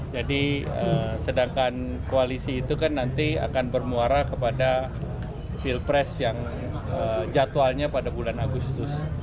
jadi sedangkan koalisi itu kan nanti akan bermuara kepada pilpres yang jadwalnya pada bulan agustus